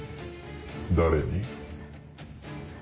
誰に？